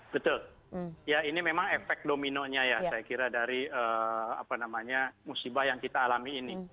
betul ya ini memang efek dominonya ya saya kira dari musibah yang kita alami ini